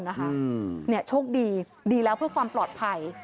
โชคดีดีแล้วเพื่อความปลอดภัย